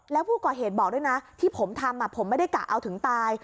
แล้วผู้ก่อเหตุบอกด้วยนะที่ผมทำผมไม่ได้กะเอาถึงตาย